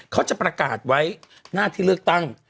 เขาจะประกาศไว้หน้าที่เลือกตั้ง